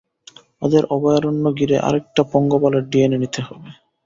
ওদের অভয়ারণ্যে গিয়ে আরেকটা পঙ্গপালের ডিএনএ নিতে হবে।